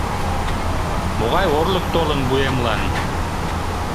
«Могай орлык толын вуемлан!